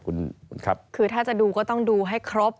คือถ้าจะดูก็ต้องดูให้ครบ